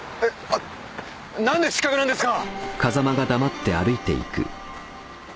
あ何で失格なんですか！？